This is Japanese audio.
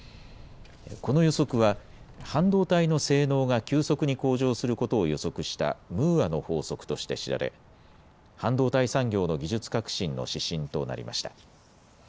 この予測は半導体の性能が急速に向上することを予測したムーアの法則として知られ半導体産業の技術革新の指針となりました。